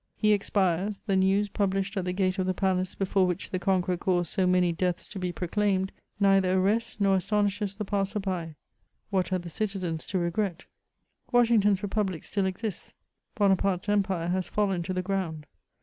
He expires ; the news, published at the gate of the palace before which the conqueror caused so many deaths to be proclaimed, neither arrests nor astonishes the passer* hy; what had the citizens to regret ? Washington's Republic still exists ; Bonaparte's Empire has fallen to the ground.